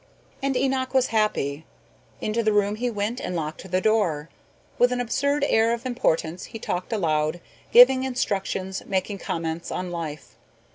And Enoch was happy. Into the room he went and locked the door. With an absurd air of importance he talked aloud, giving instructions, making comments on life.